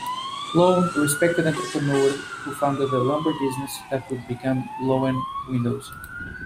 Loewen, a respected entrepreneur who founded a lumber business that would become Loewen Windows.